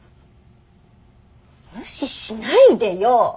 無視しないでよ！